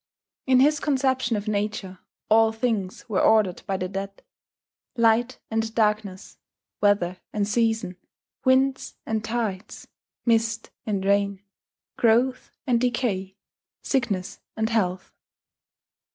In his conception of nature all things were ordered by the dead, light and darkness, weather and season, winds and tides, mist and rain, growth and decay, sickness and health.